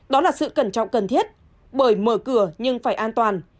đó là sự cẩn trọng cần thiết bởi mở cửa nhưng phải an toàn